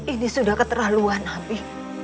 ini sudah keterlaluan nabi